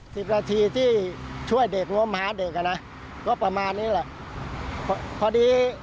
สิบนาทีที่ช่วยเด็กงมหาเด็กอ่ะนะก็ประมาณนี้แหละพอดี